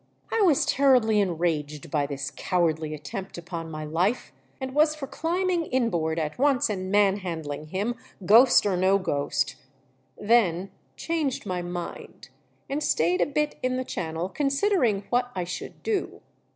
I was terribly enraged by this cowardly attempt upon my life and was for climbing inboard at once and manhandling him, ghost or no ghost ; then changed my mind and stayed a bit in the channel considering what I should do.